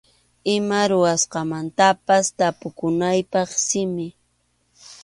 Ima ruraqmantapas tapukunapaq simi.